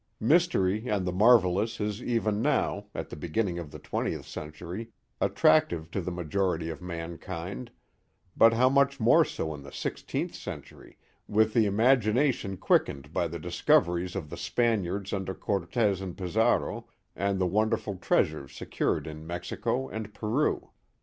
Mystery and the marvellous is even now, at the be ginning of the twentieth century, attractive to the majority of mankind, but how much more so in the sixteenth century, with the imagination quickened by the discoveries of the Spaniards under Cortez and Pizarro and the wonderful treas ures secured in Mexico and Peru.